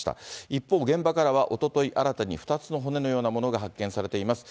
一方、現場からはおととい、新たに２つの骨のようなものが発見されています。